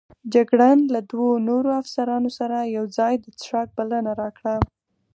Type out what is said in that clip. جګړن د له دوو نورو افسرانو سره یوځای د څښاک بلنه راکړه.